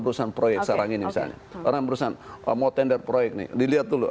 urusan proyek sekarang ini misalnya orang perusahaan mau tender proyek nih dilihat dulu